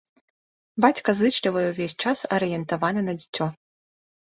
Бацька зычліва і ўвесь час арыентаваны на дзіцё.